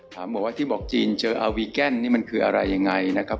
บอกว่าที่บอกจีนเจออาวีแกนนี่มันคืออะไรยังไงนะครับ